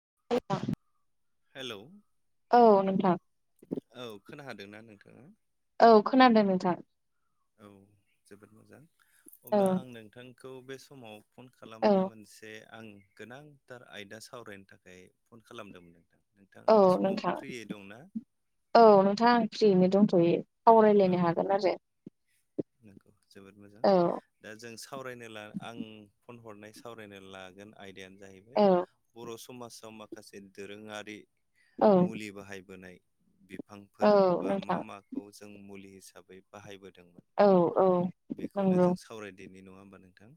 [unintelligible] Hello औ नोंथां औ खोनाहादोंना नोंथाङा? औ खोनादों नोंथां। औ जोबोद मोजां औ अब्ला आं नोंथांखौ बे समाव फन औ खालामनाया मोनसे आं गोनांथार आयदा सावरायनो थाखाय फन खालामदोंमोन नोंथां। औ नोंथाङा बे समाव नोंथां फ्रियै दंना औ नोंथां आं फ्रियैनो दंथ'यो। औ सावरायलायनो हागोन आरो नंगौ जोबोद मोजां औ दा जों सावरायनो ला आं फन हरनाय सावरायनो लागोन आयदायानो जाहैबाय औ बर' सु समाजाव माखासे दोरोङारि औ मुलि बाहायबोनाय बिफांफोर औ बा मा नोंथां माखौ जों मुलि हिसाबै बाहायबोदों औ औ बेखौनो नंगौ जों सावरायदेरनि नङा होमबा नोंथां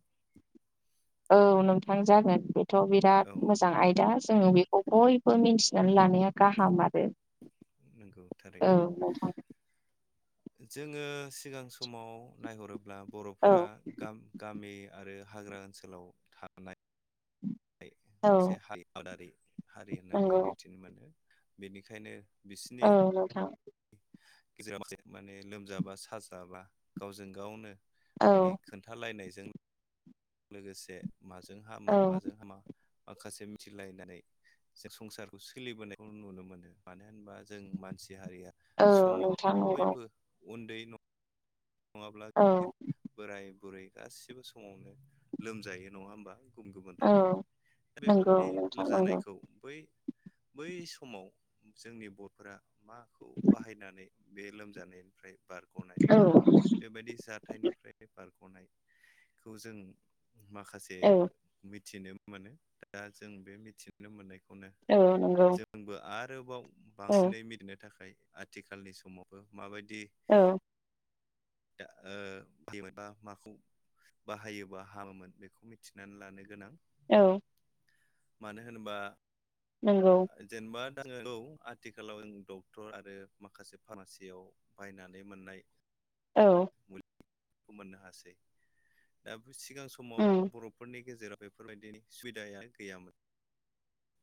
औ नोंथां जागोन, बेथ' औ बिराद मोजां आयदा जोङो बेखौ बयबो मिन्थिनानै लानाया गाहाम आरो नंगौ औ थारैनो नोंथां जोङो सिगां समाव नायहरोब्ला औ बर'फोरा गाम गामि आरो हाग्रा ओनसोलाव थानाय औ मोनसे हाल आबादारि हारि होननानै नंगौ जों मिथिनो मोनो। बेनिखायनो बिसोरनि औ नोंथां [inaudible] माने लोमजाबा साजाबा गावजों गावनो औ मानि खोन्थालायनायजों लोगोसे माजों हामो औ माजों हामा माखासे मिथिलायनानै जों संसारखौ सोलिबोनायखौ नुनो मोनो। मानो होनबा जों मानसि हारिया औ समाव नोंथां नंगौ बयबो उन्दै न नङाब्ला, औ बोराय बुरै गासिबो समावनो लोमजायो नङा होमबा गुबुन गुबुन रोखोमै औ दा नंगौ बेफोरबायदि नोंथां नंगौ लोरजानायखौ बै बै समाव जोंनि बर'फोरा माखौ बाहायनानै बे लोमजानायनिफ्राय बारग'नाय औ बा बेबायदि जाथायनिफ्राय बारग'नायखौ जों माखासे औ मिथिनो मोनो, दा जों बे मिथिनो मोननाय खौनो औ नंगौ जोंबो आरोबाव औ बांसिनै मिथिनो थाखाय आथिखालनि समावबो माबायदि औ दा ओ बेबा माखौ बाहायोबा हामोमोन बेखौ मिथिनानै लानो गोनां औ मानो होनबा नंगौ जेनेबा आङो औ आथिखालाव औ डक्टर आरो माखासे फार्मासियाव बायनानै मोननाय औ मोननो हासै। दा सिगां समाव उम बर'फोरनि गेजेराव बेफोरबायदिनि सुबिदाया गैयामोन,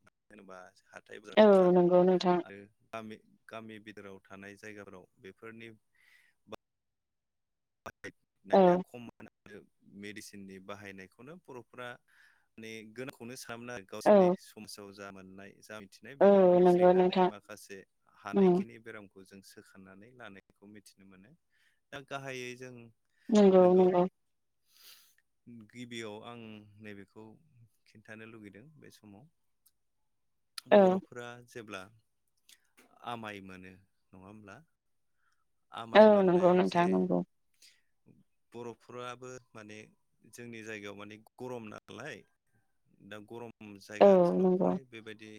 मानो होनबा जोंहा [unintelligible] औ आंखाल नंगौ नोंथां आरो गामि गामि बिथोराव थानाय जायगाफोराव बेफोरनि [unintelligible] औ आरो मेडिसिननि बाहायनायखौनो बर'फोरा माने गोनखौनो औ गावसोनि समाजाव जा मोननाय जा नाय औ बेजोंनो नंगौ सोलिनानै नोंथां माखासे उम हानायखिनि बेरामखौ खौ जों सोखांनानै लानायखौ मिथिनो मोनो दा गाहायै जों नंगौ नोंगौ नंगौ [unintelligible] गिबियाव आं नैबेखौ खिन्थानो लुगैदों बे समाव औ [inaudible] बर'फोरा जेब्ला आमाय मोनो नंङा होमब्ला औ आमाय नंगौ मोननायाव जे नोंथां नंगौ बर'फोराबो माने जोंनि जायगायाव माने गरम नालाय दा गरम औ जायगा ओनसोलाव नंगौ फ्राय बेबायदि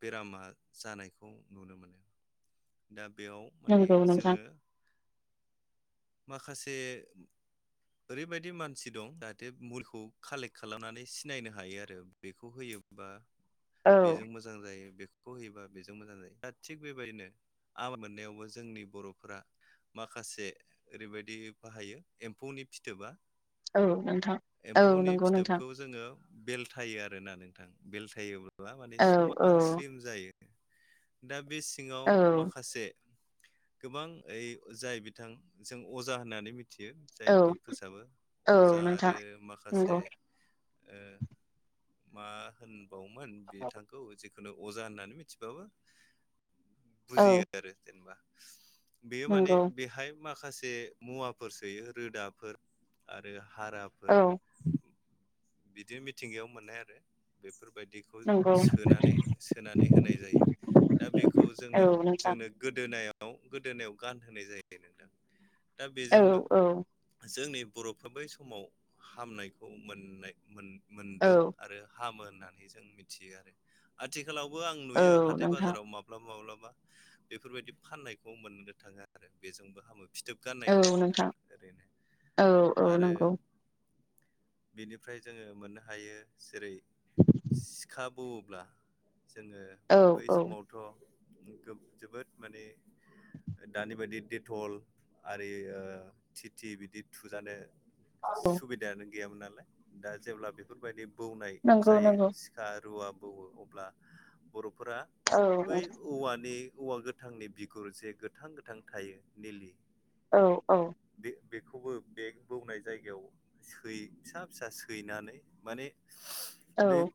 बेरामा जानायखौ नुनो मोनो दा बेयाव माने नंगौ नोंथां जोंङो माखासे ओरैबायदि मानसि दं जाहाथे मुलिखौ कालेक्ट खालामनानै सिनायनो हायो आरो बेखौ होयो बा औ बेजों मोजां जायो होयो बा बेजों मोजां जायो दा थिग बेबायदिनो आबाद मोननायावबो जोंनि बर'फोरा माखासे ओरैबायदि बाहायो एम्फौनि फिथोबा औ नोंथां औ नंगौ नोंथां बेल्थायो आरोना नोंथां बेलथायोब्ला माने औ औ समान स्लिम जायो दा बे सिङाव औ माखासे गोबां ओ जाय बिथां जों अजा होननानै मिथि मिथियो जाय बिदि औ फोसाबो औ अजा नोंथां आरो माखासे नंगौ मा होनबावोमोन बिथांखौ खुनु अजा होननानै मिथिबाबो औ बुजियो आरो जेनेबा बेयो माने नंगौ बेहाय माखासे मुवाफोर सोयो रोदाफोर आरो हाराफोर औ बिदि मिथिंगायाव मोननाय आरो बेफोर ओमफ्राय बेखौ नंगौ सोनानै सोनानै होनाय जायो दा बेखौ औ जोंनो नोंथां जोंनो गोदोनायाव गोदोनायाव गान होनाय जायो नोंथां दा औ बेजोंबो औ जोंनि बर'फ्रा बै समाव हामनायखौ मोननाय मोनदों औ आरो हामो ओननानै जों मिथियो आरो आथिखालावबो आं औ नुयो हाथाय नोंथां बाजाराव माब्लाबा माब्लाब बेफोरबायदि फाननायखौ मोननो थाङो आरो बेजोंबो हामो फिथोब गाननाय होननाय नोंथां ओरैनो औ औ आरो नंगौ बेनि ओमफ्राय जोङो मोननो हायो जेरै सिखा बौवोब्ला जोङो औ बै औ समावथ' जोबोद माने दानि बायदि डेटल आरि टि टि बिदि थुजानो औ सुबिदायानो गैयामोन नालाय दा जेब्ला बेफोरबायदि बौनाय नंगौ जायो नंगौ सिखा रुवा फोर अब्ला बर'फोरा औ बै नोंथां औवानि औवा गोथांनि बिगुर जे गोथां गोथां थायो निलि औ औ बे बेखौबो बे बौनाय जायगायाव सै फिसा फिसा सैनानै माने बे औ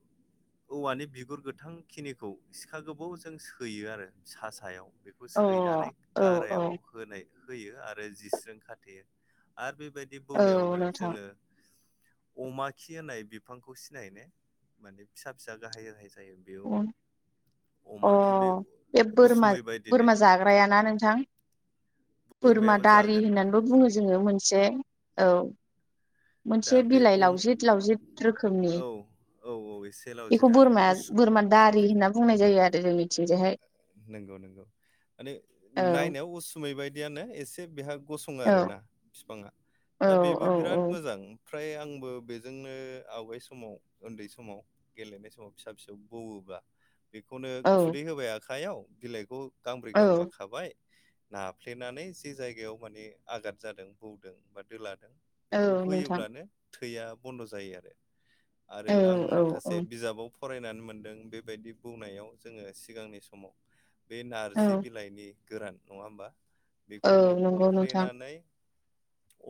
औवानि बिगुर गोथांखिनिखौ सिखा गोबौ जों सैयो आरो सा सायाव बेखौ सैनानै औ औ औ गारायाव होनाय होयो आरो जिस्रि खाथेयो आरो बेबायदि औ बौनायावनो नोंथां जोंङो अमा खि होननाय बिफांखौ सिनायनो माने फिसा फिसा गाहाय गाहाय जायो बेयाव औ अ अमाखि बे बे बोरमा उसुमै बायदिनो बोरमा जाग्रायाना नोंथां बोरमायाबो बोरमादारि जागोन होननानैबो बुङो जोङो मोनसे औ दा मोनसे बे बिलाइ अम लावजिद लावजिद रोखोमनि औ औ औ एसे लावजे बेखौ थाङोना बोरमाया उसु बोरमा दारि होनना बुंनाय जायो आरो जोंनिथिंजायहाय नंगौ नंगौ माने औ नायनायाव उसुमै बायदियानो एसे बेहा गसुं औ आरोना बिफाङा औ दा बेबो औ बिराद मोजां फ्राय आंबो बेजोंनो आवगाय समाव उन्दै समाव गेलेनाय समाव फिसा फिसौ बौवो बेखौनो औ खुदै होबाय आखाइयाव बिलाइखौ गांब्रै औ गांबा खाबाय नाफ्लेनानै जे जायगायाव माने आगाद जादों बौदों बा दोलादों औ बेखौ नोंथां होयोब्लानो थैया बन्द' जायो आरो आरो औ आं औ माखासे बिजाबाव फरायनानै मोनदों बेबायदि बौनायाव जोङो सिगांनि सम समाव बे औ नारजि बिलाइनि गोरान नङा होमबा औ बेखौबो नंगौ नोंथां अफ्लेनानै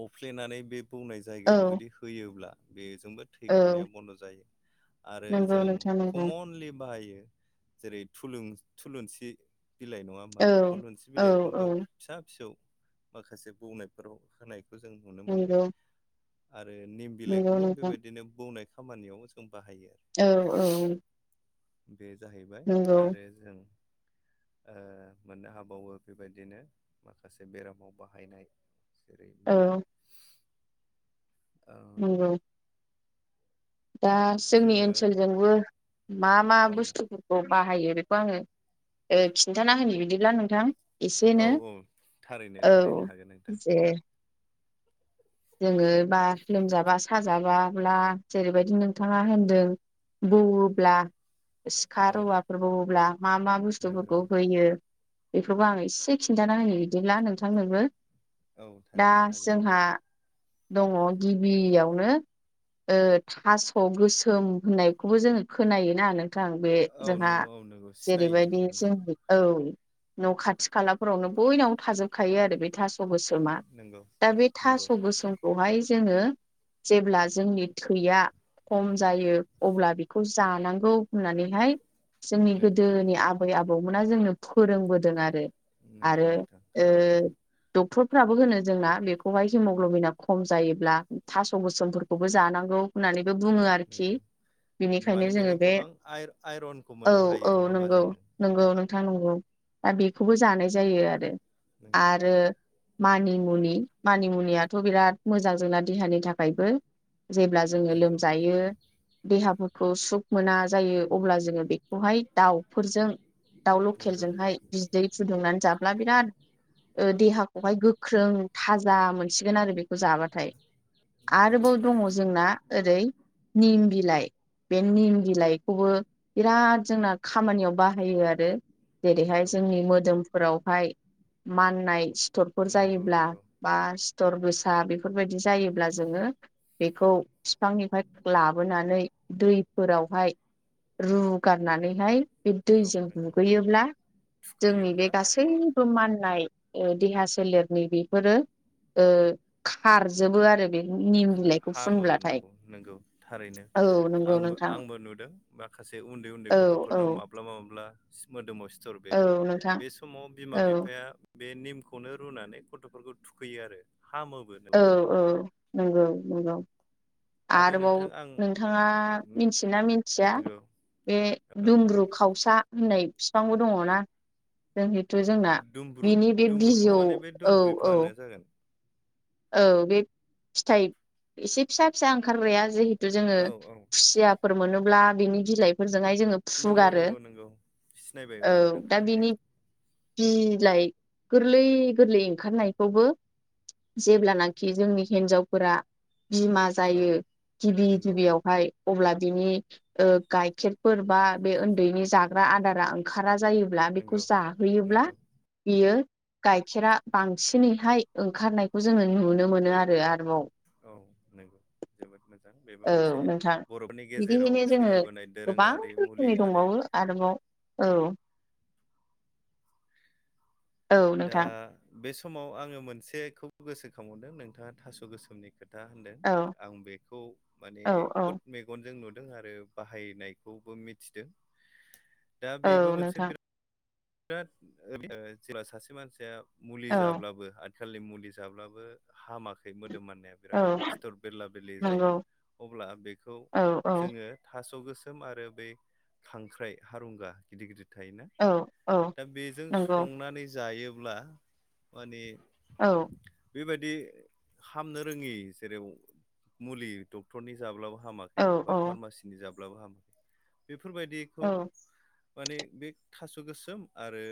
अफ्लेनानै बे बौनाय औ जायगायाव जुदि होयोब्ला बेजोंबो थै औ गनाया बन्द' जायो आरो नंगौ जों नोंथां नंगौ कमनलि बाहायो जेरै थुलुं थुलुंसि बिलाइ नङा होमबा? औ थुलुंसि औ औ बिलाइखौबो फिसा फिसौ माखासे बौनायफोराव होनायखौ जों नुनो मोनो। नंगौ आरो निम नंगौ बिलाइखौबो नोंथां बेबायदिनो बौनाय खामानियाव जों बाहायो। औ औ। बे जाहैबाय नंगौ आरो जों ओ मोननो हाबावो बेबायदिनो माखासे बेरामाव बाहायनाय जेरै औ मुलि ओ नंगौ। दा जोंनि जोङो ओनसोलजोंबो मा मा औ बुस्थुफोरखौ बाहायो बेखौ आङो ओ खिन्थाना होनो बिदिब्ला नोंथां औ एसेनो, औ थारैनो औ थारैनो हागोन नोंथां जे जोङो बा लोमजाबा साजाबाब्ला जेरैबायदि नोंथाङा होनदों बौवोब्ला सिखा औ रुवाफोर बौवोब्ला मा मा नंगौ बुस्थुफोरखौ होयो बेखौबो आं एसे खिन्थाना होनि बिदिब्ला नोंथांनोबो। औ दा थारैनो हागोन नोंथां। जोंहा दङ गिबियावनो ओ थास' गोसोम होननायखौबो जोङो खोनायोना नों थां बे औ जोंहा औ नंगौ सिनायो जेरैबायदि नंगौ जोंनि औ न' खाथि खालाफोरावनो बयनावबो थाजोबखायो आरो बे थास' गोसोमा। नंगौ दा बे थास' नंगौ गोसोमखौहाय जोङो जेब्ला जोंनि थैया खम जायो अब्ला बेखौ जानांगौ होननानैहाय जोंनि नंगौ गोदोनि आबै आबौमोना जोंनो फोरोंबोदों आरो। नंगौ आरो नोंथां थारैनो ओ डक्टरफ्राबो होनो जोंना बेखौहाय हिम'ग्ल'बिना खम जायोब्ला थास' गोसोमफोरखौबो जानांगौ होननानै बो बुङो आरोखि। नंगौ बिनिखायनो माने जोङो बेहाय बे गोबां आइ-आइरनखौ औ मोननो हायो नङा होमबा नंगौ जोङो? नंगौ औ नोंथां नंगौ, दा बेखौबो जानाय जायो आरो। नंगौ आरो मानिमुनि, मानिमु नियाथ' बिराद मोजां जोंना देहानि थाखायबो। जेब्ला जोङो नंगौ लोमजायो देहाफोरखौ सुख मोना जायो अब्ला जोङो बे खौहाय दाउफोरजों दाउ नंगौ लकेलजोंहाय बिदै फुदुंनानै जाब्ला बिराद ओ देहाखौहाय गोख्रों थाजा मोनसिगोन आरो बेखौ जाबाथाय। नंगौ आरोबाव दङ थारैनो जोंना ओरै निम बिलाइ। बे निम बिलाइखौबो बिराद जोंना खामानियाव बाहायो आरो जेरैहाय नंगौ जोंनि मोदोमफोरावहाय माननाय सि थरफोर नंगौ जायोब्ला नंगौ बा सिथर गोसा बेफोरबायदि जायोब्ला जोङो बेखौ बिफांनिफ्राय लाबोनानै दैफोरावहाय रुगारनानैहाय बे औ दैजों नंगौ दुगैयोब्ला जोंनि थुखैयोब्ला बे माने गासैबो माननाय ओ देहा सोलेरनि बेफोरो ओ खारजोबो आरो बे निम खा बिलाइखौ हामो फुनब्लाथाय नों-नोंगौ थारैनो औ नंगौ आंबो नोंथां आंबो नुदों माखासे उन्दै उन्दै औ औ गथ'फोरनाव माब्लाबा माब्लाबा मोदोमाव सिथर औ बेरो नोंथां बे समाव बिमा औ बिफाया बे निमखौनो रुनानै गथ'फोरखौ थुखैयो आरो। हामोबो नों औ औ नंगौ नंगौ। आरो आरोबाव नोंथां आं नोंथाङा मिथियोना मिथिया नंगौ बे बे औ दुंमब्रु बुं खावसा होननाय फिफांबो दङना? जोंना दुमब्रु बिनि बे दुमब्रु खावसा बिजौ थारमाने बे औ दुमब्रु औ बिफाङानो जागोन। औ बे फिथाइ एसे फिसा फिसा ओंखारग्राया जिहु। जोङो औ औ खुसियाफोर मोनोब्ला बिनि बिलाइफोर। नंगौ नंगौ नंगौ सिनायबाय औ नोंथां दा थारैनो। बिनि बिलाइ गोरलै गोरलै ओंखारनायखौबो जेब्लानाखि जोंनि हिन्जावफोरा बिमा औ जायो गिबि नंगौ गिबियावहाय। अब्ला बिनि ओ गाइखेरफोर बा बे उन्दैनि जाग्रा आदारा ओंखारा। जायोब्ला बेखौ नंगौ जाहोयोब्ला नंगौ बियो। गाइखेरा बांसिनैहाय ओंखारनायखौ जोङो नुनो मोनो आरो आरोबाव। औ नगौ जोबोद मोजां। बेबो औ मोनसे नोंथां बर'फोरनि गेजेराव बिदिहायनो जोङो सोलिबोनाय गोबां दोरोङारि मुलि रोखोमनि आरो दंबावो आरोबाव। औ। औ दा नोंथां बे समाव आङो मोनसेखौ गोसोखांबावदों नोंथाङा थास' गोसोमनि। खोथा होनदों औ आं बेखौ माने औ औ खुद मेगनजों नुदों। आरो बाहायनायखौबो मिथिदों दा औ बेबो मोनसे नोंथां बिराद। बिराद जेब्ला सासे मानसिया मुलि औ जाब्लाबो। आथिखालनि मुलि जाब्लाबो हामाखै मोन। मोदोम माननाया औ बेराद सिथर बेरला बेरलि जायो नंगौ अब्ला बेखौ औ औ थास। थास गोसोम आरो बै खांख्राइ हारुंगा गिदिर गिदिर। थायोना औ औ। दा बेजों नंगौ संनानै जायोब्ला माने। औ। बेबायदि हामनो रोङि जेरै मुलि डक्टरनि जाब्लाबो। औ हामाखै बा औ फार्मासिनि जाब्लाबो हामाखै बेफोरबायदिखौ। औ माने बे थास' गोसोम आरो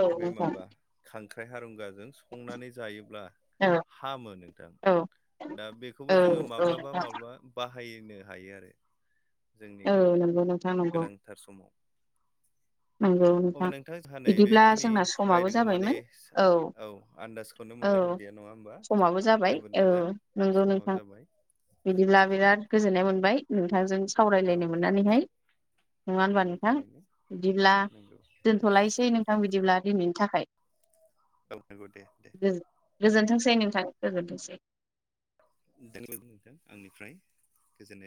औ बे नोंथां माबा खांख्राइ हारुंगा। जों संनानै जायोब्ला औ हामो नोंथां। औ दा बेखौबो औ जोङो माब्लाबा नोंथां माब्लाबा बाहायनो हायो आरो। जोंनि औ नंगौ नो। गोनांथार समाव। अब्ला नोंथां जोंहा नै बिदिब्ला बेखिनि जोंना समाबो रायलायगौ माने जाबायमोन औ आन्दाजखौनो मोनलाय। औ समाबो जाबाय औ नंगौ समाबो नोंथां जाबाय बिदिब्ला बिराद। गोजोननाय मोनबाय नोंथांजों औ सावरायलायनो मोननानैहाय। नङा होनबा नंगौ नोंथां थारैनो बिदिब्ला नंगौ दोनथ'लायसै नोंथां बिदिब्ला। दिनैनि थाखाय। औ नंगौ दे दे। दे नोंथां गोजोनथोंसै। दे लोगोमोनना आंनिफ्राय गोजोननाय मोनबाय।